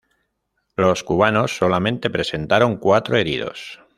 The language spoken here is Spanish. Los cubanos solamente presentaron cuatro heridos.